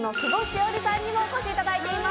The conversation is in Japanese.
緒里さんにもお越しいただいています。